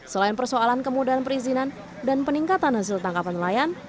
selain persoalan kemudahan perizinan dan peningkatan hasil tangkapan nelayan